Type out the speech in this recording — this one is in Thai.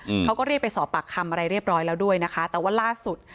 เขาก็เรียกไปสอบปากคำอะไรเรียบร้อยแล้วด้วยนะคะแต่ว่าล่าสุด